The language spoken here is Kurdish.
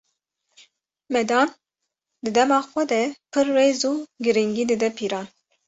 Medan, di dema xwe de pir rêz û girîngî dide pîran.